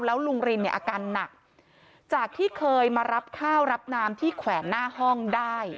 แล้วลุงรินเนี่ยอาการหนักจากที่เคยมารับข้าวรับน้ำที่แขวนหน้าห้องได้